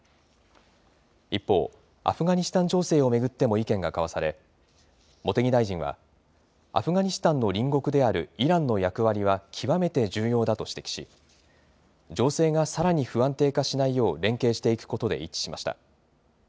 一方、アフガニスタン情勢を巡っても意見が交わされ、茂木大臣は、アフガニスタンの隣国であるイランの役割は極めて重要だと指摘し、情勢がさらに不安定化しないよう、連携していくことで一致しました。